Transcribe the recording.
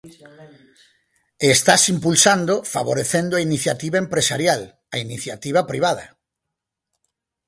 E estaas impulsando favorecendo a iniciativa empresarial, a iniciativa privada.